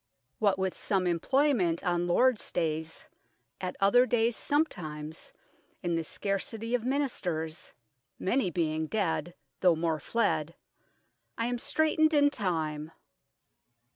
What with some 228 UNKNOWN LONDON imployment on Lord's dayes, at other dayes sometimes, in this scarcity of ministers (many being dead, though more fled) I am streightened in time.